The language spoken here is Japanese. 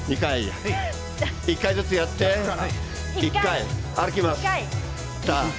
１回ずつやって歩きます。